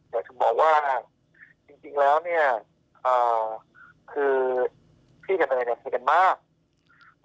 อยากจะบอกว่าจริงแล้วเนี่ยคือพี่กับเนยเนี่ยเคลียร์กันมาก